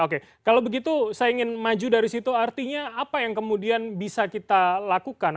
oke kalau begitu saya ingin maju dari situ artinya apa yang kemudian bisa kita lakukan